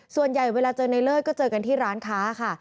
ส่วนใหญ่เวลาเจอในเลิศก็เจอกันที่ร้านค้าค่ะ